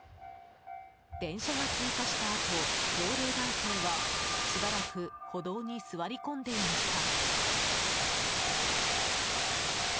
電車が通過したあと、高齢男性はしばらく歩道に座り込んでいました。